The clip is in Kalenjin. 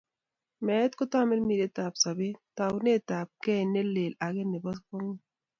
Meet ko tambiriretab sobeet, taunetab kei ne lel ake nebo kwong'ut.